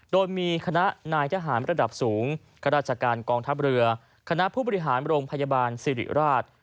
โดยมีคณะนายทหารระดับสูงข้าราชการกองทัพเรือคณะผู้บริหารโรงพยาบาลสิริราช